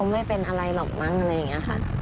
ไม่เป็นอะไรหรอกมั้งอะไรอย่างนี้ค่ะ